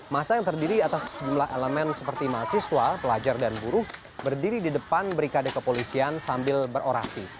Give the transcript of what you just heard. masa yang terdiri atas sejumlah elemen seperti mahasiswa pelajar dan buruh berdiri di depan berikade kepolisian sambil berorasi